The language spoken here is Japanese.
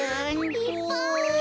いっぱい。